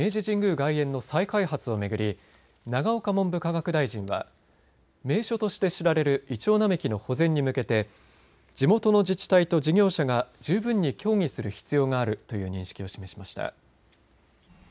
外苑の再開発を巡り永岡文部科学大臣は名所として知られるイチョウ並木の保全に向けて地元の自治体と事業者が十分に協議する必要があるという認識を示しました。